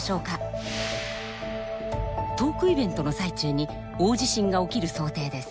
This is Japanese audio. トークイベントの最中に大地震が起きる想定です。